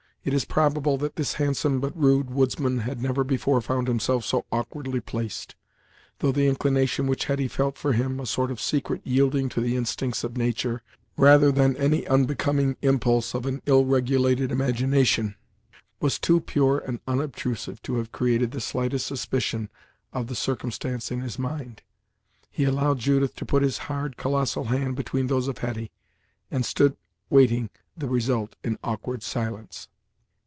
It is probable that this handsome but rude woodsman had never before found himself so awkwardly placed, though the inclination which Hetty felt for him (a sort of secret yielding to the instincts of nature, rather than any unbecoming impulse of an ill regulated imagination), was too pure and unobtrusive to have created the slightest suspicion of the circumstance in his mind. He allowed Judith to put his hard colossal hand between those of Hetty, and stood waiting the result in awkward silence.